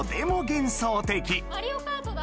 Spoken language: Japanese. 『マリオカート』だ！